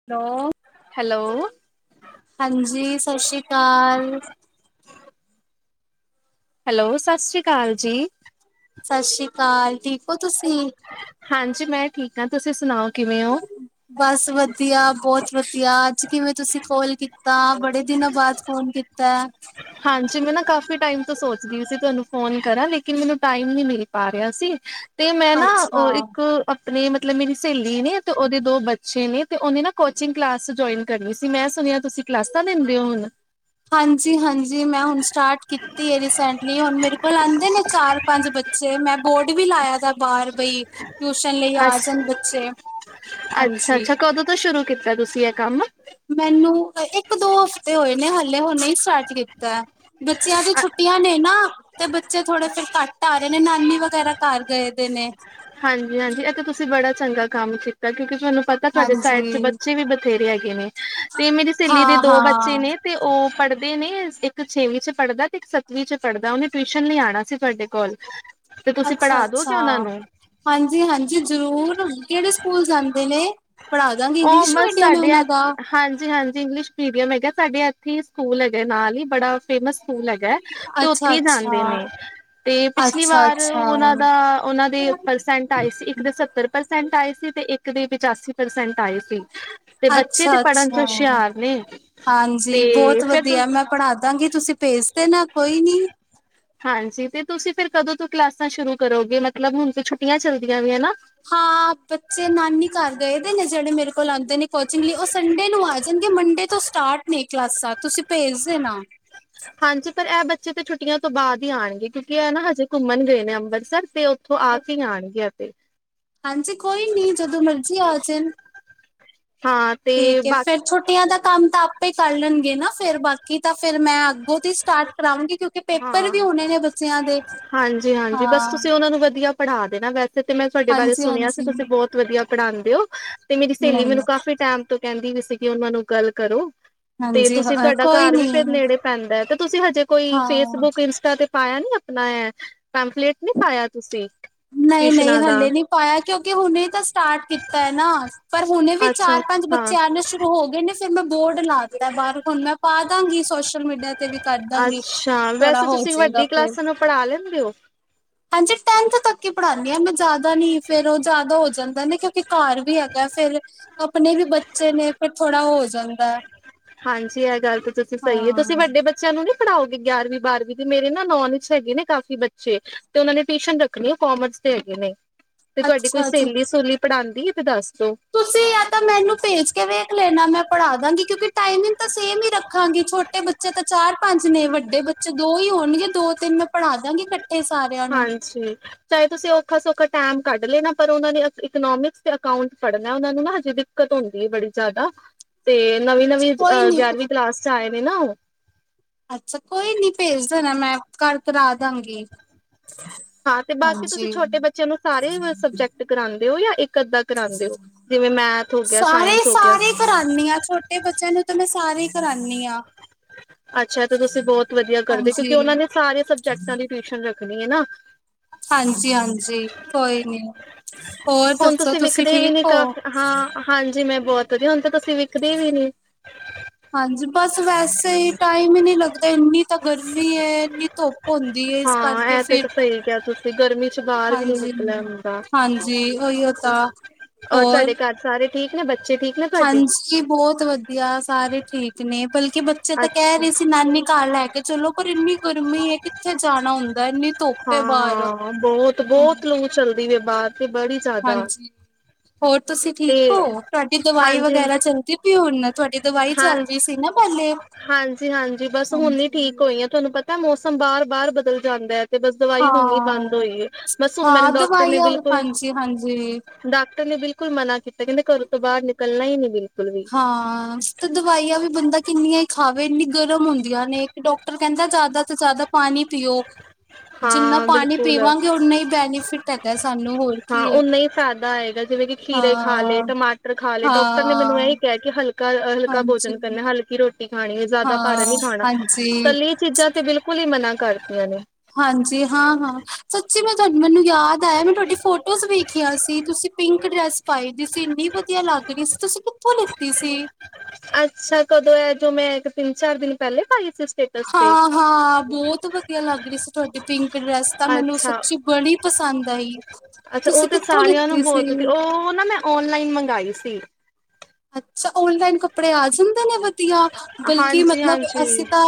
[unintelligible] Hello. ਹਾਂਜੀ ਸਤਿ ਸ਼੍ਰੀ ਅਕਾਲ। ਹੈਲੋ ਸਸ ਸ਼੍ਰੀ ਅਕਾਲ ਜੀ। ਸਸ ਸ੍ਰੀ ਅਕਾਲ, ਠੀਕ ਓ ਤੁਸੀਂ? ਹਾਂਜੀ, ਮੈਂ ਠੀਕ ਹਾਂ, ਤੁਸੀਂ ਸੁਣਾਓ ਕਿਵੇਂ ਓ? [unintelligible] ਬਸ ਵਧੀਆ ਬੋਤ ਵਧੀਆ ਅੱਜ ਕਿਵੇਂ ਤੁਸੀਂ ਕੋਲ ਕੀਤਾ ਬੜੇ ਦਿਨਾਂ ਬਾਅਦ ਫੋਨ ਕੀਤਾ। ਤਾ ਹਾਂਜੀ ਮੈਂ ਨਾ ਕਾਫੀ ਟਾਈਮ ਤੋਂ ਸੋਚਦੀ ਸੀ ਤੁਹਾਨੂੰ ਫੋਨ। ਕਰਾਂ ਲੇਕਿਨ ਮੈਨੂੰ ਟਾਈਮ ਨੀ ਮਿਲ ਪਾ ਰਿਹਾ ਸੀ ਤੇ ਮੈਂ ਨਾ ਅੱਛਾ। ਉਹ ਇੱਕ ਨੇ ਮਤਲਬ ਮੇਰੀ ਸਹੇਲੀ ਨੇ ਤੇ ਉਹਦੇ ਦੋ ਬੱਚੇ ਨੇ ਤੇ ਉਹਨੇ ਨਾ ਕੋਚਿੰਗ ਕਲਾਸ ਜੁਆਇਨ ਕਰਨੀ ਸੀ ਮੈਂ ਸੁਣਿਆ ਤੁਸੀਂ ਕਲਾਸਾਂ ਦਿੰਦੇ ਹੋ ਹੁਣ। ਹਾਂਜੀ ਹਾਂਜੀ ਮੈਂ ਹੁਣ ਸਟਾਰਟ ਕੀਤੀ ਹੈ ਰੀਸੈਂਟਲੀ ਹੁਣ ਮੇਰੇ ਕੋਲ ਆਂਦੇ ਨੇ ਚਾਰ ਪੰਜ ਬੱ। ਚੇ ਮੈਂ ਬੋਰਡ ਵੀ ਲਾਇਆ ਦਾ ਬਾਹਰ ਬਈ। ਟਿਊਸ਼ਨ ਲਈ ਆ ਅੱਛਾ, ਜਾਣ ਬੱਚੇ, ਅੱਛਾ, ਹਾਂਜੀ। ਅੱਛਾ ਕਦੋਂ ਤੋਂ ਸ਼ੁਰੂ ਕੀਤਾ ਤੁਸੀਂ ਇਹ ਕੰਮ? ਮੈਨੂੰ ਇੱਕ ਦੋ ਹਫ਼ਤੇ ਹੋਏ ਨੇ ਹਾਲੇ ਹੁਣ ਹੀ ਸਟਾਰਟ ਕੀਤਾ। ਬੱਚਿਆਂ ਦੀ ਛੁੱਟੀਆਂ ਨੇ ਨਾ ਤੇ ਬੱਚੇ ਥੋੜੇ ਫੇਰ ਘੱਟ ਆ ਰਹੇ ਨੇ ਨਾਨੀ ਵਗੈਰਾ ਘਰ ਗਏ ਦੇ ਨੇ ਹਾਂਜੀ ਹਾਂਜੀ ਇਹ ਤਾਂ ਤੁਸੀਂ ਬੜਾ ਚੰਗਾ ਕੰਮ ਕੀਤਾ ਕਿਉਂਕਿ ਤੁਹਾਨੂੰ ਪਤਾ। ਤੁਹਾਡੇ ਸਾਈਡ ਚ ਹਾਂਜੀ ਬੱਚੇ ਵੀ ਬਥੇਰੇ ਹੈਗੇ ਨੇ ਤੇ ਮੇਰੀ ਸਹੇਲੀ ਦੇ ਹਾਂ ਦੋ ਬੱਚੇ ਹਾਂ ਨੇ। ਤੇ ਉਹ ਪੜ੍ਹਦੇ ਨੇ ਇੱਕ ਛੇਵੀਂ ਚ ਪੜ੍ਹਦਾ ਤੇ ਇੱਕ ਸੱਤਵੀਂ ਚ ਪੜ੍ਹਦਾ ਉਹਨੇ ਟਿਊਸ਼ਨ ਲਈ ਆਣਾ ਸੀ ਤੁਹਾਡੇ ਕੋਲ। ਤੇ ਤੁਸੀਂ ਅੱਛਾ ਪੜ੍ਹਾ ਦੋਗੇ ਅੱਛਾ ਉਹਨਾ ਨੂੰ। ਹਾਂਜੀ ਹਾਂਜੀ ਜ਼ਰੂਰ ਕਿਹੜੇ ਸਕੂਲ ਜਾਂਦੇ ਨੇ? ਪੜ੍ਹਾ ਦਾਂ ਗੀ ਉਹ ਇੰਗਲਿਸ਼ ਬਸ ਮੀਡੀਅਮ ਏ ਸਾਡੇ ਉਹਨਾਂ ਦਾ। ਹਾਂਜੀ ਹਾਂਜੀ ਇੰਗਲਿਸ਼ ਮੀਡੀਅਮ ਹੈਗਾ ਸਾਡੇ ਐੱਥੇ ਹੀ ਸਕੂਲ ਹੈਗਾ ਨਾਲ ਹੀ ਬੜਾ। ਫੇਮਸ ਸਕੂਲ ਹੈਗਾ ਹੈ ਤੇ ਅੱਛਾ ਉੱਥੇ ਈ ਜਾਂਦੇ ਅੱਛਾ ਨੇ। ਤੇ ਪਿਛਲੀ ਅੱਛਾ ਵਾਰ ਅੱਛਾ ਉਹਨਾਂ ਦਾ ਉਹਨਾਂ ਦੇ। ਪਰਸੈਂਟ ਆਏ ਸੀ ਇੱਕ ਦੇ ਸੱਤਰ ਪ੍ਰਸੈਂਟ ਆਏ ਸੀ ਤੇ ਇੱਕ ਦੇ ਪਿਚਾਸੀ ਪ੍ਰਸੈਂਟ ਆਏ ਸੀ। ਤੇ ਬੱਚੇ ਤੇ ਅੱਛਾ ਪੜ੍ਹਨ ਚ ਅੱਛਾ ਹੁਸ਼ਿਆਰ ਨੇ ਤੇ ਫਿਰ ਤੁ। ਦਾਂਗੇ ਤੁਸੀਂ ਭੇਜਦੇ ਨਾ ਕੋਈ ਨੀ। ਹਾਂਜੀ ਤੇ ਤੁਸੀਂ ਫਿਰ ਕਦੋਂ ਤੋਂ ਕਲਾਸਾਂ ਸ਼ੁਰੂ ਕਰੋਗੇ ਮਤਲਬ ਹੁਣ ਤੇ ਛੁੱਟੀਆਂ ਚੱਲਦੀਆਂ ਵੀਆਂ ਨਾ। ਹਾਂ ਬੱਚੇ ਨਾਨੀ ਘਰ ਗਏ ਦੇ ਨੇ ਜਿਹੜੇ ਮੇਰੇ ਕੋਲ ਆਂਦੇ ਨੇ ਕੋਚਿੰਗ ਲਈ ਉਹ ਸੰਡੇ ਨੂੰ ਆ ਜਾਣਗੇ ਮੰਡੇ ਤੋਂ ਸਟਾਰਟ ਨੇ ਕਲਾਸਾਂ ਤੁਸੀਂ ਭੇਜ ਦੇਣਾ। ਹਾਂਜੀ ਪਰ ਐਹ ਬੱਚੇ ਤੇ ਛੁੱਟੀਆਂ ਤੋਂ ਬਾਅਦ ਹੀ ਆਣਗੇ ਕਿਉਂਕਿ ਐਹ ਨਾ ਹਜੇ ਘੁੰਮਣ ਗਏ ਨੇ ਅੰਮ੍ਰਿਤਸਰ ਤੇ ਉੱ ਹਾਂਜੀ ਕੋਈ ਨੀ ਜਦੋਂ ਮਰਜੀ ਆ ਜਾਣ ਹਾਂ ਤੇ ਠੀਕ ਏ ਬਾ ਫੇਰ ਛੁੱਟੀਆਂ ਦਾ ਕੰਮ ਤਾਂ ਆ। ਪੇ ਈ ਕਰ ਲਣਗੇ ਨਾ ਫ਼ਿਰ ਬਾਕੀ ਤਾਂ ਫ਼ਿਰ ਮੈਂ ਅੱਗੋਂ ਦੀ ਸਟਾਰਟ ਕਰਾਉਂਗੀ ਕਿਉਂਕਿ। ਪੇਪਰ ਹਾਂ ਵੀ ਹੋਣੇ ਨੇ ਬੱਚਿਆਂ ਦੇ ਹਾਂਜੀ ਹਾਂਜੀ ਬਸ ਹਾਂ ਤੁਸੀਂ ਉਹਨਾਂ ਨੂੰ ਵਧੀਆ। ਪੜ੍ਹਾ ਦੇਣਾ ਵੈਸੇ ਤੇ ਮੈਂ ਤੁਹਾਡੇ ਬਾਰੇ ਹਾਂਜੀ ਸੁਣਿਆ ਸੀ ਹਾਂਜੀ ਤੁਸੀਂ ਬਹੁਤ ਵਧੀਆ ਪੜ੍ਹਾਦੇ ਹੋ। ਤੇ ਮੇਰੀ ਸਹੇਲੀ ਨਹੀਂ ਮੈਨੂੰ ਕਾਫੀ ਟੈਮ ਤੋਂ ਕਹਿੰਦੀ ਵੀ ਸੀਗੀ ਉਹਨਾਂ ਨੂੰ ਗੱਲ ਕਰੋ ਤੇ ਹਾਂਜੀ ਤੁਸੀਂ ਅ, ਤੁਹਾਡਾ ਕੋਈ ਘਰ ਵੀ ਨੀ ਫ਼ਿਰ ਨੇੜੇ ਪੈਂਦਾ ਹੈ ਤੇ ਤੁਸੀਂ ਹਜੇ ਕੋਈ। ਹਾਂ ਫੇਸਬੁੱਕ ਇੰਸਟਾ ਤੇ ਪਾਇਆ ਨੀ ਆਪਣਾ ਪੈਫਲੇਟ ਨੀ ਪਾਇਆ ਤੁਸੀਂ ਨਹੀਂ ਨਹੀਂ ਟਿਊਸ਼ਨਾਂ ਦਾ ਹਲੇ ਨਹੀਂ ਪਾਇਆ ਕਿਉਂਕਿ ਹੁਣੇ ਤਾਂ ਸਟਾਰਟ ਕੀਤਾ ਹੈ ਨਾ। ਪਰ ਹੁਣੇ ਵੀ ਅੱਛਾ ਚਾਰ ਪੰਜ ਅੱਛਾ ਬੱਚੇ ਆਨੇ ਸ਼ੁਰੂ ਹੋ ਗਏ ਨੇ। ਫਿਰ ਮੈਂ ਬੋਰਡ ਲਾ ਦਿੱਤਾ ਬਾਹਰ ਹੁਣ ਮੈਂ ਪਾ ਦਾਂਗੀ ਸੋਸ਼ਲ ਮੀਡੀਆ ਤੇ। ਤੇ ਵੀ ਕਰਦਾਂਗੀ ਅੱਛਾ ਥੋੜਾ ਵੈਸੇ ਹੋ ਤੁਸੀਂ ਜਾਏਗਾ ਵੱਡੀ ਫ਼ਿਰ ਕਲਾਸਾਂ ਨੂੰ ਪੜ੍ਹਾ ਲੈਂਦੇ ਹੋ ਹਾਂਜੀ ਟੈਂਥ ਤੱਕ ਹੀ ਪੜ੍ਹਾਨੀ ਹਾਂ ਮੈਂ ਜ਼ਿਆਦਾ ਨੀ। ਫ਼ਿਰ ਉਹ ਜ਼ਿਆਦਾ ਹੋ ਜਾਂਦਾ ਨਾ ਕਿਉਂਕਿ ਘਰ ਵੀ ਹੈਗਾ ਫੇਰ ਆਪਣੇ ਵੀ ਬੱਚੇ ਨੇ ਫਿਰ ਥੋੜਾ ਹੋ ਜਾਂਦਾ। ਹਾਂਜੀ ਇਹ ਗੱਲ ਤਾਂ ਤੁਸੀਂ ਸਹੀ ਐ ਹਾਂ ਤੁਸੀਂ ਵੱਡੇ। ਬੱਚਿਆਂ ਨੂੰ ਨਹੀਂ ਪੜ੍ਹਾਓਗੇ ਗਿਆਰਵੀਂ ਬਾਰਵੀਂ ਤੇ ਮੇਰੇ ਨਾ ਨੋਨਚ ਹੈਗੇ ਨੇ ਕਾਫੀ ਬੱਚੇ। ਤੇ ਉਹ ਨੇ ਟਿਊਸ਼ਨ ਰੱਖਣੀ ਹੈ ਕਾਮਰਸ ਦੇ ਹੈਗੇ ਨੇ। ਤੇ ਤੁਹਾਡੀ ਕੋਈ ਅੱਛਾ ਜੀ ਸ੍ਹੇਲੀ ਸੂਲੀ ਪੜ੍ਹਾਉਂਦੀ ਆ ਤੇ ਦੱਸ ਦੋ। ਤੁਸੀਂ ਯ ਤਾਂ ਮੈਨੂੰ ਭੇਜ ਕੇ ਵੇਖ ਲੈਨਾ ਮੈਂ ਪੜ੍ਹਾ ਦਾਂਗੀ ਕਿਉਂਕਿ ਟਾਈਮਿੰਗ ਤਾਂ ਸੇਮ ਹੀ ਰੱਖਾਂਗੀ। ਛੋਟੇ ਬੱਚੇ ਬੱਚੇ ਤਾਂ ਚਾਰ ਪੰਜ ਨੇ ਵੱਡੇ ਬੱਚੇ ਦੋ ਹੀ ਹੋਣਗੇ ਦੋ ਤਿੰਨ ਮੈਂ ਪੜ੍ਹਾ ਦਾਂਗੀ। ਫੇਰ ਇਹ ਸਾਰਾਰੇ ਹਾਂਜੀ। ਚਾਹੇ ਤੁਸੀਂ ਔਖਾ ਸੌਖਾ ਟਾਈਮ ਕੱਢ ਲੈਣਾ ਪਰ ਉਹਨਾਂ ਦੇ ਇਕੋਨੋਮਿਕਸ ਤੇ ਅਕਾਂਊਂਟ ਪੜਨਾ। ਉਹਨਾ ਨੂੰ ਨਾ ਹਜੇ ਦਿੱਕਤ ਹੁੰਦੀ ਹੈ ਬੜੀ ਜ਼ਿਆਦਾ, ਤੇ ਨਵੀਂ ਨਵੀਂ ਕੋਈ ਅਹ ਨੀ ਗਿਆਰਵੀਂ ਕਲਾਸ ਚ ਆਏ ਨੇ ਨਾ ਉਹ। ਅੱਛਾ ਕੋਈ ਨੀ ਭੇਜ ਦੇਣਾ ਮੈਂ ਘਰ ਕਰ ਆ ਦਾਂਗੀ। ਹਾਂ ਤੇ ਬਾਕੀ ਤੁਸੀਂ ਹਾਂਜੀ ਛੋਟੇ ਬੱਚਿਆਂ ਨੂੰ ਸਾਰੇ ਸਬਜੈਕਟ ਕਰਾਉਂਦੇ ਓ? ਜਾਂ ਇੱਕ ਅੱਧਾ ਕਰਾਂਦੇ ਓ ਜਿਵੇਂ ਮੈਥ ਹੋ ਗਿਆ ਸਾਇੰਸ ਹੋ ਗਿਆ। ਕਰਾਂਨੀ ਆਂ ਛੋਟੇ ਬੱਚਿਆਂ ਨੂੰ ਤਾਂ ਮੈਂ ਸਾਰੇ ਹੀ ਕਰਾਂਨੀ ਆਂ। ਅੱਛਾ ਤੇ ਤੁਸੀਂ ਬਹੁਤ ਵਧੀਆ ਕਰਦੇ ਹਾਂਜੀ ਕਿਉਂਕਿ ਉਹਨਾਂ ਨੇ ਸਾਰੇ ਸਬਜੈਕਟਾਂ ਦੀ ਟਿਊਸ਼ਨ ਰੱਖਣੀ ਐ ਨਾ। ਹਾਂਜੀ ਹਾਂਜੀ ਕੋਈ ਨੀ ਹੋਰ ਹੁਣ ਦੱਸੋ ਤੁਸੀਂ ਵਿਖਦੇ ਵੀ ਠੀਕ ਨੀ ਹੋ? ਕਾਫ ਹਾਂ ਹਾਂਜੀ ਮੈਂ ਬਹੁਤ ਵਧੀਆ ਹੁਣ ਤਾਂ ਤੁਸੀਂ ਵਿੱਖਦੀ ਵੀ ਨਹੀਂ। ਹਾਂਜੀ ਬਸ ਵੈਸੇ ਹੀ ਟਾਈਮ ਹੀ ਨਹੀਂ ਲੱਗਦਾ, ਇੰਨੀ ਤਾਂ ਗਰਮੀ ਏ ਇੰਨੀ ਧੁੱਪ ਹੁੰਦੀ ਏ ਇਸ ਹਾਂ ਕਰਕੇ ਇਹ ਤੇ ਫਿਰ, ਸਹੀ ਕਿਹਾ ਤੁਸੀਂ ਗਰਮੀ ਚ ਬਾਹਰ ਵੀ ਨੀ ਹਾਂਜੀ। ਨਿਕਲਿਆ ਹੁੰਦਾ। ਹਾਂਜੀ ਉਓਹੀਓ ਤਾਂ। ਔਰ ਹੋਰ ਤੁਹਾਡੇ ਘਰ ਸਾਰੇ ਠੀਕ ਨੇ ਬੱਚੇ ਠੀਕ ਨੇ ਤੁਹਾਡੇ? ਕੀ ਬਹੁਤ ਵਧੀਆ ਸਾਰੇ ਠੀਕ ਨੇ ਬਲਕਿ ਬੱਚੇ ਤਾਂ ਕਹਿ ਅੱਛਾ ਰਹੇ ਸੀ ਨਾਨੀ ਘਰ ਲੈ ਕੇ ਚਲੋ ਪਰ ਇੰਨੀ ਗਰਮੀ ਏ ਕਿੱਥੇ ਜਾਣਾ ਹੁੰਦਾ ਇੰਨੀ ਧੁੱਪ ਹੈ ਹਾਂ ਬਾਹਰ ਹਾਂ ਬਹੁਤ ਹਮ ਬਹੁਤ ਲੋ ਚੱਲਦੀ ਵ ਬਾਹਰ ਤੇ ਬੜੀ ਜ਼ਿਆਦਾ। ਹਾਂਜੀ, ਹੋਰ ਤੁਸੀਂ ਤੇ ਠੀਕ ਓ? ਤੁਹਾਡੀ ਦਵਾਈ ਹਾਂਜੀ ਵਗੈਰਾ ਚੱਲਦੀ ਹੁਣ ਤੁਹਾਡੀ ਦਵਾਈ ਹਾਂ ਚੱਲ ਰਹੀ ਸੀ ਨਾ ਪਹਿਲੇ, ਹਾਂਜੀ। ਤੋਂਨੂੰ ਪਤਾ ਮੌਸਮ ਬਾਰ ਬਾਰ ਬਦਲ ਜਾਂਦੈ। ਤੇ ਬਸ ਦਵਾਈ ਹੁਣ ਨ ਬੰਦ ਹਾਂ ਹੋਈ ਏ ਬਸ ਹੁਣ ਮੈਨ ਹਾਂ ਡਾਕਟਰ ਨੇ ਦਵਾਈਆਂ ਬਿਲਕੁਲ ਹਾਂਜੀ ਹਾਂਜੀ ਡਾਕਟਰ ਨੇ ਬਿਲਕੁਲ ਮਨਾ ਕੀਤਾ ਕਹਿੰਦੇ ਘਰੋਂ ਤੋਂ ਬਾਹਰ ਨਿਕਲਣਾ ਹੀ ਨੀ ਬਿਲਕੁਲ। ਵੀ ਹਾਂ। ਤੇ ਦਵਾਈਆਂ ਵੀ ਬੰਦਾ ਕਿੰਨੀਆਂ ਹੀ ਖਾਵੇ ਇੰਨੀ ਗਰਮ ਹੁੰਦੀਆਂ ਨੇ ਇੱਕ ਡਾਕਟਰ ਕਹਿੰਦਾ ਜ਼ਿਆਦਾ ਤੋਂ ਜ਼ਿਆਦਾ ਪਾਣੀ ਪੀਯੋ। ਹਾਂ ਬਿਲਕੁਲ, ਬੈਨੀਫਿਟ ਹੈਗਾ ਸਾਨੂੰ ਹੋਰ ਹਾਂ ਕੀ ਹੈ ਓਨਾ ਹੀ ਫੈਦਾ ਆਏਗਾ ਜਿਵੇਂ ਕਿ ਖੀਰੇ ਖਾ ਲਏ ਹਾਂ ਟਮਾਟਰ ਖਾ ਲਏ ਡਾਕਟਰ ਨੇ ਮੈਨੂੰ ਹਾਂ ਇਹ ਕਹਿ ਕੇ ਹਲਕਾ ਹਲਕਾ ਹਾਂਜੀ ਭੋਜਨ ਕਰਨਾ ਹਲਕੀ ਰੋਟੀ ਖਾਣੀ ਜ਼ਿਆਦਾ ਹਾਂ ਭਾਰ ਨੀ ਖਾਣਾ। ਹਾਂਜੀ ਤੱਲੇ ਚੀਜ਼ਾਂ ਤੇ ਬਿਲਕੁਲ ਹੀ ਮਨਾ ਕਰਦੀਆਂ ਨੇ। ਹਾਂਜੀ ਹਾਂ ਹਾਂ ਸੱਚੀ ਮੈਂ ਤੁੂੰ ਮੈਨੂੰ ਯਾਦ ਆਇਆ ਮੈਂ ਤੁਹਾਡੀ ਫੋਟੋਜ਼ ਵੇਖੀਆਂ ਸੀ। ਤੁਸੀਂ ਪਿੰਕ ਡਰੈਸ ਪਾਈ ਦੀ ਸੀ, ਇੰਨੀ ਵਧੀਆ ਲੱਗ ਰਹੀ ਸੀ। ਤੁਸੀਂ ਕਿੱਥੋਂ ਲਿੱਤੀ ਸੀ? ਅੱਛਾ ਕਦੋਂ ਐ ਜੋ ਮੈਂ ਇੱਕ ਤਿੰਨ ਚਾਰ ਦਿਨ ਪਹਿਲੇ ਪਾਈ ਸੀ। ਸਟੇ ਹਾਂ ਹਾਂ ਬਹੁਤ ਵਧੀਆ ਲੱਗ ਰਹੀ ਸੀ। ਤੁਹਾਡੀ ਪਿੰਕ ਡਰੈਸ ਤਾਂ ਮੈਨੂੰ ਅੱਛਾ ਸੱਚੀ ਬੜੀ ਪਸੰਦ ਆਈ। ਅੱਛਾ ਉਹ ਤੁਸੀਂ ਤੇ ਕਿੱਥੋਂ ਸਾਰਿਆਂ ਨੂੰ ਲਿੱਤੀ ਸੀ? ਬਹੁਤ ਉਹ ਨਾ ਮੈਂ ਔਨਲਾਈਨ ਮੰਗਾਈ ਸੀ। ਅੱਛਾ, ਓਨਲਾਈਨ ਕੱਪੜੇ ਆ ਜਾਂਦੇ ਨੇ ਵਧੀਆ? ਬਲਕਿ ਹਾਂਜੀ ਮਤਲਬ ਹਾਂਜੀ ਅਸੀਂ ਤਾਂ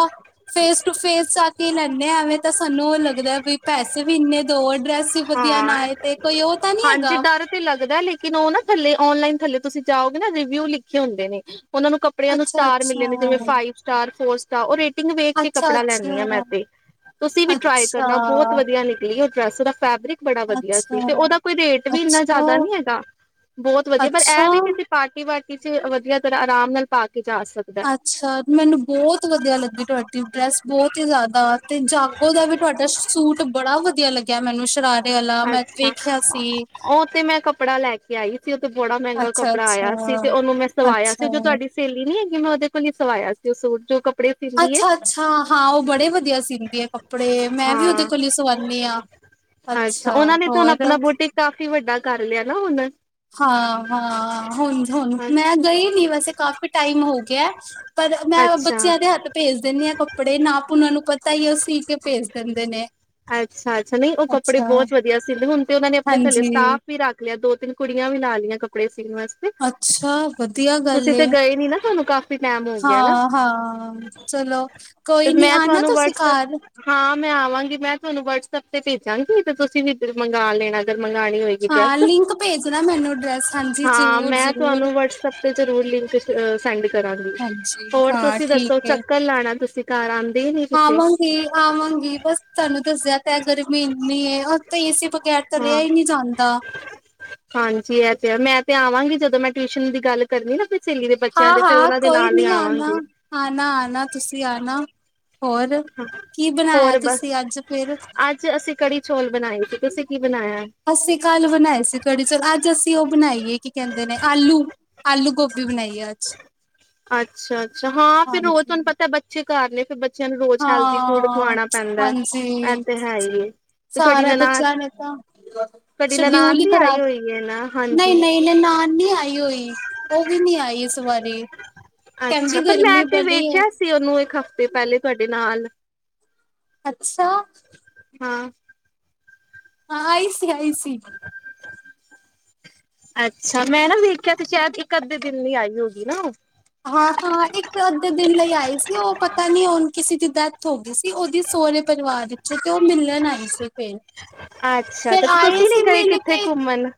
ਫੇਸ ਟੂ ਫੇਸ ਆ ਕੇ ਲੈਂਨੇ ਆਂ ਐਵੇਂ ਤਾਂ ਸਾਨੂੰ ਉਹ ਲੱਗਦਾ ਵੀ ਪੈਸੇ ਵੀ ਇੰਨੇ ਦੋ, ਡਰੈਸ ਤੁ ਵਧੀਆ ਹਾਂ ਨਾਏ ਤੇ ਕੋਈ ਉਹ ਤਾਂ ਨੀਂ ਹਾਂਜੀ ਹੈਗਾ। ਡਰ ਤੇ ਲੱਗਦਾ, ਲੇਕਿਨ ਉਹ ਨਾ ਥੱਲੇ ਔਨਲਾਈਨ ਥੱਲੇ ਤੁਸੀਂ ਜਾਓਗੇ ਨਾ ਰਿਵਿਊ ਲਿਖੇ ਹੁੰਦੇ ਨੇ ਉਹਨਾਂ ਨੂੰ ਕਪੜੇ ਕੱਪੜਿਆਂ ਨੂੰ ਅੱਛਾ ਸਟਾਰ ਮਿਲੇ ਨੇ ਜਿਵੇ ਅੱਛਾ ਫਾਈਵ ਸਟਾਰ ਫੋਰ ਸਟਾਰ ਉਹ ਰੇਟਿੰਗ ਵੇਖ ਕੇ ਅੱਛਾ ਕੱਪੜਾ ਲੈਦੀ ਆ ਮੈਂ ਅੱਛਾ ਤੇ ਤੁਸੀਂ ਵੀ ਟਰਾਈ ਅੱਛਾ ਕਰਨਾ ਬਹੁਤ ਵਧੀਆ ਨਿਕਲੀ ਉਹ ਡਰੈੱਸ ਨਾ ਫੈਬਰਿਕ ਬੜਾ ਵਧੀਆ ਸੀ, ਅੱਛਾ ਤੇ ਉਹਦਾ ਕੋਈ ਰੇਟ ਵੀ ਇੰਨਾ ਜ਼ਿਆਦਾ ਨੀ ਅੱਛਾ ਹੈਗਾ ਬਹੁਤ ਵਧੀਆ ਪਰ ਇਹ ਵੀ ਅੱਛਾ ਕਿ ਅਸੀਂ ਪਾਰਟੀ ਵਾਰਟੀ ਚ ਵਧੀਆ ਤਰ੍ਹਾਂ ਆਰਾਮ ਨਾਲ ਪਾ ਕੇ ਜਾ ਸਕਦੇ ਅੱਛਾ ਮੈਨੂੰ ਬਹੁਤ ਵਧੀਆ ਲੱਗੀ ਤੁਹਾਡੀ। ਡਰੈਸ ਬਹੁਤ ਹੀ ਜ਼ਿਆਦਾ, ਤੇ ਜਾਗੋ ਦਾ ਵੀ ਤੁਹਾਡਾ ਸੂਟ ਬੜਾ ਵਧੀਆ ਲੱਗਿਆ ਮੈਨੂੰ ਸ਼ਰਾਰਾ ਸ਼ਰਾਰੇ ਵਾਲਾ, ਮੈਂ ਅੱਛਾ ਵੇਖਿਆ ਸੀ। ਉਹ ਤੇ ਮੈਂ ਕੱਪੜਾ ਲੈ ਕੇ ਆਈ ਸੀ। ਉਹ ਤੇ ਬੜਾ ਮਹਿੰਗਾ ਕੱਪੜਾ ਆਇਆ ਸੀ ਅੱਛਾ-ਅੱਛਾ, ਤੇ ਉਹਨੂੰ ਮੈਂ ਸਵਾਇਆ ਸੀ, ਅੱਛਾ। ਜੋ ਤੁਹਾਡੀ ਸਹੇਲੀ ਨੀ ਹੈਗੀ, ਮੈਂ ਉਹਦੇ ਕੋਲ ਹੀ ਸਵਾਇਆ ਸੀ ਉਹ ਸੂਟ ਜੋ। ਕੱਪੜੇ ਸੀਂਦੀ ਏ ਅੱਛਾ ਅੱਛਾ ਹਾਂ ਉਹ ਬੜੇ ਵਧੀਆ ਸੀਂਦੀ ਆ ਕੱਪੜੇ ਮੈਂ ਵੀ ਉਹਦੇ ਹਾਂ ਕੋਲੋਂ ਸਵਾਉਦੀ ਹਾਂ। ਅੱਛਾ ਉਹਨਾਂ ਨੇ ਤਾਂ ਹੁਣ ਆਪਣਾ ਬੂਟਿਕ ਕਾਫ਼ੀ ਵੱਡਾ ਕਰ ਲਿਆ ਨਾ ਹੁਣ। ਹਾਂ ਹਾਂ ਹੁਣ ਹੁਣ ਮੈਂ ਗਈ ਨੀ ਵੈਸੇ ਕਾਫ਼ੀ ਟਾਈਮ ਹੋ ਗਿਆ। ਪਰ ਮੈਂ ਔ ਅੱਛਾ ਬੱਚਿਆਂ ਦੇ ਹੱਥ। ਭੇਜ ਦਿੰਦੇ ਆਂ ਕੱਪੜੇ, ਨਾਪ ਉਹਨਾਂ ਨੂੰ ਪਤਾ ਹੀ ਉਹ ਸੀ ਕੇ ਭੇਜ ਦਿੰਦੇ ਨੇ। ਅੱਛਾ ਅੱਛਾ ਨਹੀਂ ਉਹ ਕੱਪੜੇ ਅੱਛਾ, ਬਹੁਤ ਵਧੀਆ ਸਿੰਦੇ, ਹੁਣ ਤੇ ਉਹਨਾਂ ਨੇ ਆਪਣੇ ਥੱਲੇ ਹਾਂਜੀ। ਸਟਾਫ਼ ਵੀ। ਰੱਖ ਲਿਆ, ਦੋ ਤਿੰਨ ਕੁੜੀਆਂ ਵੀ ਲਾ ਲਈਆਂ ਕੱਪੜੇ ਸੀਣ ਵਾਸਤੇ। ਅੱਛਾ ਵਧੀਆ ਗੱਲ। ਤੁਸੀਂ ਤੇ ਉੱਥੇ ਗਏ ਨੀ ਨਾ, ਹੁਣ। ਹਾਂ ਹਾਂ ਚਲੋ ਤੇ ਕੋਈ ਨੀ ਮੈਂ ਆਉਣਾ ਤੁਹਾਨੂੰ ਤੁਸੀਂ ਘਾਰ। ਵਟਸਐਪ ਹਾਂ ਮੈਂ ਆਵਾਂਗੀ ਮੈਂ ਤੁਹਾਨੂੰ ਵਟਸਐਪ ਤੇ ਭੇਜਾਂਗੀ ਤੇ ਤੁਸੀਂ ਏਧਰ ਮੰਗਾਂ ਲੈਣਾ। ਜਦ ਮੰਗਾਉਣੀ ਹੋਏਗੀ ਹਾਂ, ਡਰੈੱਸ ਲਿੰਕ ਭੇਜਣਾ ਮੈਨੂੰ ਡਰੈਸ ਹਾਂਜੀ ਹਾਂ ਮੈਂ ਜ਼ਰੂਰ-ਜ਼ਰੂਰ। ਤੁਹਾਨੂੰ ਵਟਸਐਪ ਤੇ ਜਰੂਰ ਲਿੰਕ। ਅ ਸੈਂਡ ਕਰਾਂਗੀ, ਹਾਂਜੀ, ਹੋਰ ਹਾਂ ਤੁਸੀਂ ਠੀਕ ਦੱਸੋ ਏ। ਚੱਕਰ ਲਾਉਣਾ ਤੁਸੀਂ ਘਰ ਆਉਂਦੇ ਹੀ ਨਹੀਂ ਤੁਸੀਂ। ਆਵਾਂਗੀ ਬਸ ਤੁਹਾਨੂੰ ਦੱਸਿਆ ਤਾਂ ਹੈ ਗਰਮੀ ਇੰਨੀ ਹੈ, ਹੁਣ ਤਾਂ ਏ ਸੀ ਬਗੈਰ ਤਾਂ ਰਿਹਾ ਹਾਂ ਹੀ ਨਹੀਂ ਜਾਂਦਾ। ਹਾਂਜੀ ਇਹ ਤੇ ਹੈ, ਮੈਂ ਤੇ ਆਵਾਂਗੀ ਜਦੋਂ ਮੈਂ ਟਿਊਸ਼ਨ ਦੀ। ਗੱਲ ਕਰਨੀ ਐ ਨਾ ਆਪਣੀ ਸਹੇਲੀ ਦੇ ਬੱਚਿਆਂ ਦੀ, ਫਿਰ ਉਹਨਾਂ ਦੇ ਨਾਲ ਹੀ ਆਵਾਂਗੀ। ਆਉਣਾ ਆਉਣਾ ਤੁਸੀਂ ਆਉਣਾ। ਹੋਰ ਕੀ ਬਣਾਇਆ ਹੋਰ ਬਸ ਤੁਸੀਂ ਅੱਜ ਫਿਰ। ਅੱਜ ਅਸੀਂ ਕੜੀ ਚੌਲ ਬਣਾਏ ਸੀ, ਤੁਸੀਂ ਕੀ ਬਣਾਇਆ। ਅਸੀਂ ਕੱਲ੍ਹ ਬਣਾਏ ਸੀ ਕੜੀ ਚੌਲ, ਅੱਜ ਅਸੀਂ ਉਹ ਬਣਾਈਏ ਕੀ ਕਹਿੰਦੇ ਨੇ ਆਲੂ। ਆਲੂ ਗੋਭੀ ਬਣਾਈ ਏ ਅੱਜ। ਅੱਛਾ ਅੱਛਾ ਹਾਂ ਫੇਰ ਰੋਜ਼ ਤੁਹਾਨੂੰ ਹਾਂਜੀ ਪਤਾ ਬੱਚੇ ਘਰ ਨੇ ਫੇਰ ਬੱਚਿਆਂ ਨੂੰ ਰੋਜ਼। ਹੈਲਦੀ ਫੂਡ ਹਾਂ ਖਵਾਉਣਾ ਪੈਂਦਾ ਹੈ। ਇਹ ਹਾਂਜੀ। ਤੇ ਹੈ ਹੀ ਏ ਤੇ ਤੁਹਾਡੀ ਸਾਰੇ ਨਨਾਣ ਬੱਚਿਆਂ ਨੇ ਤਾਂ ਤੁਹਾਡੀ ਨਨਾਣ ਸ਼ਡਿਊਲ ਹੀ ਵੀ ਆਈ ਖਰਾਬ, ਹੋਈ ਹੈ ਨਾ ਨਹੀਂ ਹਾਂਜੀ ਨਹੀਂ ਨਹੀਂ ਨਨਾਣ ਨੀ ਆਈ। ਆਈ ਉਹ ਵੀ ਨੀ ਆਈ ਇਸ ਵਾਰੀ। ਅੱਛਾ, ਕਹਿੰਦੀ ਪਰ ਮੈਂ ਗਰਮੀ ਤੇ ਬੜੀ ਹੈ ਵੇਖਿਆ ਸੀ ਉਹਨੂੰ ਇੱਕ ਹਫ਼ਤੇ ਪਹਿਲੇ ਤੁਹਾਡੇ ਨਾਲ। ਅੱਛਾ। ਹਾਂ। ਹਾਂ ਆਈ ਸੀ ਆਈ ਸੀ। ਅੱਛਾ ਮੈਂ ਨਾ ਵੇਖਿਆ ਤੇ ਸ਼ਾਇਦ ਇੱਕ ਅੱਧੇ ਦਿਨ ਲਈ ਆਈ ਹੋਉ ਗਈ ਨਾ ਉਹ। ਹਾਂ ਹਾਂ ਇੱਕ ਅੱਧੇ ਦਿਨ ਲਈ ਆਈ ਸੀ ਉਹ, ਪਤਾ ਨੀ ਹੁਣ ਕਿਸੇ ਦੀ ਡੈਥ ਹੋ ਗਈ ਸੀ ਉਹਦੀ ਸੋਰੇ ਸੁਹਰੇ ਪਰਿਵਾਰ ਵਿੱਚੋਂ ਤੇ ਉਹ ਮਿਲਣ ਆਹੀ ਸੀ ਫਿਰ। ਅੱਛਾ ਤੇ ਫਿਰ ਤੁਸੀਂ ਨੀ ਗਏ ਕਿੱਥੇ ਘੁੰਮਣ।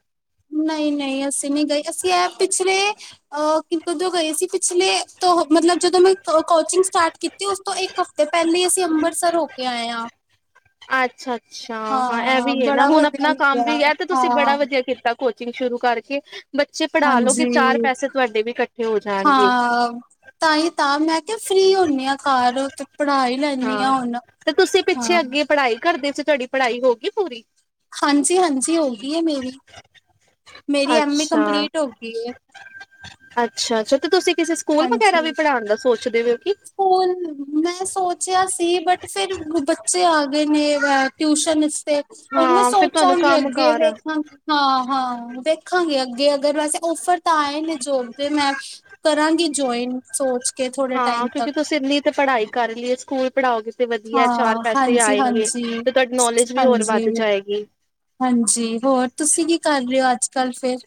ਨਹੀਂ ਨਹੀਂ ਅਸੀਂ ਨਹੀਂ ਗਏ ਅਸੀਂ ਇਹ ਪਿਛਲੇ। ਅ ਕਦੋਂ ਗਏ ਸੀ, ਪਿਛਲੇ ਤੋਂ ਮਤਲਬ ਜਦੋਂ ਮੈਂ ਕੋਚਿੰਗ ਸਟਾਰਟ ਕੀਤੀ। ਤੇ ਉਸ ਤੋਂ ਇੱਕ ਹਫ਼ਤੇ ਪਹਿਲੇ ਈ ਅਸੀਂ ਅੰਬਰਸਰ ਹੋ ਕੇ ਆਏ ਆ। ਅੱਛਾ ਅੱਛਾ, ਹਾਂ ਇਹ ਵੀ ਐ ਨਾ ਬੜਾ ਹੁਣ ਵਧੀਆ ਆਪਣਾ ਕੰਮ ਵੀ ਲੱਗਿਆ ਐ ਏ ਤੇ ਤੁਸੀਂ ਹਾਂ ਬੜਾ ਵਧੀਆ ਕੀਤਾ। ਕੋਚਿੰਗ ਸ਼ੁਰੂ ਕਰਕੇ ਬੱਚੇ ਪੜ੍ਹਾਲੋਗੇ ਹਾਂਜੀ ਚਾਰ ਪੈਸੇ ਤੁਹਾਡੇ ਵੀ ਇਕੱਠੇ ਹੋ ਜਾਣਗੇ। ਹਾਂ। ਤਾਂ ਹੀ ਤਾਂ ਮੈਂ ਕਿਹਾ ਫ੍ਰਰੀ ਹੁੰਨੇ ਆ ਘਰ ਤੇ ਪੜ੍ਹਾਈ। ਹਾਂ ਤੇ ਤੁਸੀਂ ਪਿੱਛੇ ਅੱਗੇ ਪੜ੍ਹਾਈ ਕਰਦੇ ਸੀ। ਤੁਹਾਡੀ ਪੜ੍ਹਾਈ ਹੋ ਗਈ ਪੂਰੀ। ਹਾਂਜੀ ਹਾਂਜੀ, ਹੋ ਗਈ ਐ ਮੇਰੀ। [inaudible] ਮੇਰੀ ਐਮ ਏ ਅੱਛਾ ਕੰਪਲੀਟ ਹੋਗੀ ਐ। ਅੱਛਾ ਅੱਛਾ, ਤੇ ਤੁਸੀਂ ਕਿਸੇ ਸਕੂਲ ਵਗੈਰਾ ਵੀ ਹਾਂਜੀ। ਪੜ੍ਹਾਣ ਦਾ ਸੋਚਦੇ ਓ ਕਿ। ਸਕੂਲ। ਮੈਂ ਸੋਚਿਆ ਸੀ ਬਟ ਫੇਰ ਬੱਚੇ ਆ ਗਏ ਨੇ ਐ ਟਿਊਸ਼ਨ ਇਸਤੇ ਹੁਣ ਮੈਂ ਹਾਂ ਫਿਰ ਤੁਹਾਨੂੰ ਸੋਚਾਂਗੀ ਕੰਮ ਅੱਗੇ ਕਾਰ ਆ ਵੇਖਾਂਗੀ ਹਾਂ-ਹਾਂ, ਵੇਖਾਂਗੇ ਅੱਗੇ ਅਗਰ ਵੈਸੇ ਔਫਰ ਤਾਂ ਆਏ ਨੇ ਜੋਬ ਦੇ ਮੈਂ ਕਰਾਂ ਗੀ ਜੋਆਇਨ ਸੋਚ ਕੇ ਥੋੜ ਹਾਂ, ਕਿਉਂਕਿ ਤੁਸੀਂ ਇੰਨੀ ਤੇ ਪੜ੍ਹਾਈ ਕਰ ਲਈਏ ਸਕੂਲ ਪੜ੍ਹਾਓਗੇ ਤੇ ਵਧੀਆ ਚਾਰ ਹਾਂ ਪੈਸੇ ਹਾਂਜੀ ਆਏਂਗੇ ਹਾਂਜੀ ਤੇ ਤੁਹਾਡੀ ਨੌਲੇਜ ਵੀ ਹੋਰ ਹਾਂਜੀ ਵੱਧ ਜਾਏਗੀ ਹਾਂਜੀ, ਹੋਰ ਤੁਸੀਂ ਕੀ ਕਰ ਰਹੇ ਓ ਅੱਜ ਕੱਲ੍ਹ ਫੇਰ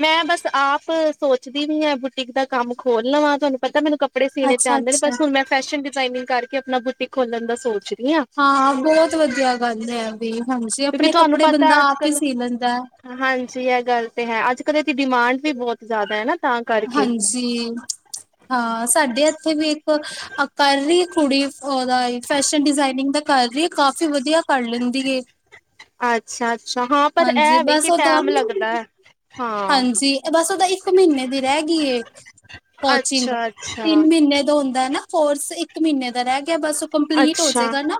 ਮੈਂ ਬਸ ਆਪ ਸੋਚਦੀ ਵੀ ਆ ਬੁਟੀਕ ਦਾ ਕੰਮ ਖੋਲ ਲਵਾਂ ਤੁਹਾਨੂੰ ਪਤਾ ਮੈਨੂੰ ਕੱਪ ੜੇ ਸੀਣੇ ਤਾਂ ਅੱਛਾ ਆਂਦੇ ਨੇ ਅੱਛਾ ਬਸ ਹੁਣ ਮੈਂ ਫੈਸ਼ਨ ਡਿਜ਼ਾਇਨਿਗ ਕਰਕੇ ਆਪਣਾ ਬੂਟੀਕ ਖੋਲਣ ਦਾ ਸੋਚ ਹਾਂ, ਬਹੁਤ ਵਧੀਆ ਗੱਲ ਐ ਵੀ ਹਾਂਜੀ ਕਿਉਂਕਿ ਆਪਣੇ ਤੁਹਾਨੂੰ ਕੱਪੜੇ ਪਤਾ ਬੰਦਾ ਅੱਜ ਆਪ ਈ ਕੱਲ ਸੀਂ ਲੈਂਦਾ ਹਾਂਜੀ, ਇਹ ਗੱਲ ਤੇ ਹੈ ਅੱਜ ਕੱਲ੍ਹ ਇਹਦੀ ਡਿਮਾਂਡ ਵੀ ਬਹੁਤ ਜ਼ਿਆਦਾ ਐ ਨਾ ਤਾਂ ਕਰਕੇ ਜੀ ਹਾਂ ਸਾਡੇ ਇੱਥੇ ਵੀ ਇੱਕ ਅ ਕਰ ਰੀ ਕੁੜੀ ਉਹਦਾ ਈ ਫੈਸ਼ਨ ਡਿਜ਼ਾਇਨ ਇੰਗ ਦਾ ਕਰ ਰੀ ਐ ਕਾਫੀ ਵਧੀਆ ਕਰ ਲੈਂਦੀ ਏ ਅੱਛਾ-ਅੱਛਾ, ਹਾਂ ਪਰ ਹਾਂਜੀ ਏ ਵੀ ਬਸ ਕਿ ਉਹਦਾ ਟੈਮ ਲੱਗਦਾ ਹਾਂ ਹਾਂਜੀ, ਬਸ ਉਹਦਾ ਇੱਕ ਮਹੀਨੇ ਦੀ ਰਹਿ ਗੀ ਏ ਕੋਚਿੰਗ, ਅੱਛਾ ਅੱਛਾ ਤਿੰਨ ਮਹੀਨੇ ਦਾ ਹੁੰਦਾ ਨਾ ਕੋਰਸ ਇੱਕ ਮਹੀਨੇ ਦਾ ਰਹਿ ਗਿਆ ਬਸ ਕੰਪਲੀਟ ਅੱਛਾ ਹੋਜੇਗਾ ਨਾ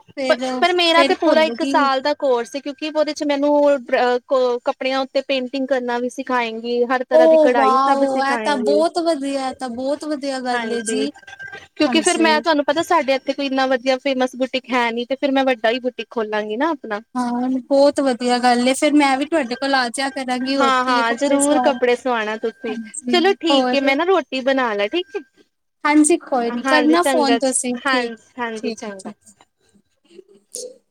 ਪਰ ਮੇਰਾ ਫੇਰ-ਫੇਰ ਤੇ ਪੂਰਾ ਇੱਕ ਖੋਲੇਗੀ ਸਾਲ ਦਾ ਕੋਰਸ ਕਿਉਂਕਿ ਉਹਦੇ ਚ ਮੈਨੂੰ ਅ ਪ ਕੱਪੜਿਆਂ ਉੱਤੇ ਪੇਂਟਿੰਗ ਕਰਨਾ ਵੀ ਸਿੱ ਖਾਏਗੇ ਹਰ ਤਰ੍ਹਾਂ ਦੀ ਓ ਕਢਾਈ ਸਭ ਵਾਓ ਇਹ ਸਿਖਾਂਏ ਤਾਂ ਗੇ ਬਹੁਤ ਵਧੀਆ ਇਹ ਤਾਂ ਬਹੁਤ ਵਧੀਆ ਗੱਲ ਏ ਹਾਂਜੀ ਜੀ। ਕਿਉਂਕਿ ਫਿਰ ਹਾਂਜੀ। ਮੈਂ ਤੁਹਾਨੂੰ ਪਤਾ ਸਾਡੇ ਇਥੇ ਕੋਈ ਇੰਨਾ ਵਧੀਆ ਫੇਮਸ ਬੂਟਿਕ ਹੈ ਨੀ ਫੇਰ ਮੈਂ ਵੱਡਾ ਹੀ ਬੂਟਿਕ ਖੋਲਾਂਗੀ ਨਾ ਆਪਣਾ ਹਾਂ ਬਹੁਤ ਵਧੀਆ ਗੱਲ ਏ ਫੇਰ ਮੈਂ ਵੀ ਤੁਹਾਡੇ ਕੋਲ ਆ ਜਿਆ ਕਰਾਂਗੀ ਹੋਰ ਹਾਂ ਕੀ ਐ ਹਾਂ ਕੱਪੜੇ ਜ਼ਰੂਰ ਸਵਾਣ ਕੱਪੜੇ ਸਵਾਣਾ ਤੁਸੀਂ ਚਲੋ ਠੀਕ ਐ ਮੈਂ ਨਾ ਰੋਟੀ ਬਣਾਲਾ ਠੀਕ ਐ ਹਾਂਜੀ, ਕੋਈ ਨੀ ਕਰਨਾ ਫੋਨ ਤੁਸੀਂ ਹਾਂਜੀ ਹਾਂਜੀ ਠੀਕ-ਠੀਕ ਐ ਠੀਕ ਚੰਗਾ [inaudible]